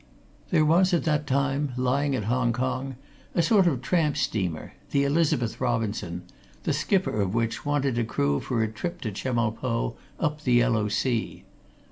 There was at that time lying at Hong Kong a sort of tramp steamer, the Elizabeth Robinson, the skipper of which wanted a crew for a trip to Chemulpo, up the Yellow Sea.